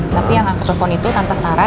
tapi yang nge telepon itu tante sarah